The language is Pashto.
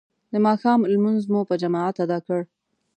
د ماښام لمونځ مو په جماعت ادا کړ.